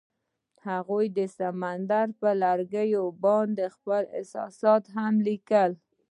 هغوی د سمندر پر لرګي باندې خپل احساسات هم لیکل.